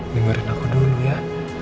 dengerin aku dulu ya